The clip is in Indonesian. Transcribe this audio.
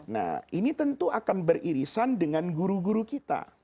nah ini tentu akan beririsan dengan guru guru kita